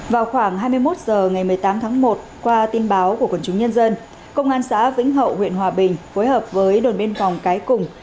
vào khoảng hai mươi một h ngày một mươi tám tháng một qua tin báo của quần chúng nhân dân công an xã vĩnh hậu huyện hòa bình phối hợp với đồn biên phòng cái cùng